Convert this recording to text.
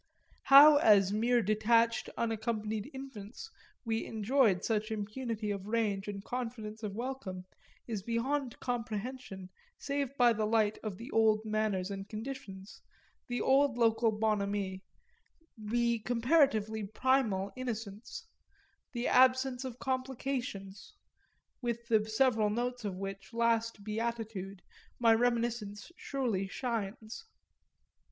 How as mere detached unaccompanied infants we enjoyed such impunity of range and confidence of welcome is beyond comprehension save by the light of the old manners and conditions, the old local bonhomie, the comparatively primal innocence, the absence of complications; with the several notes of which last beatitude my reminiscence surely shines.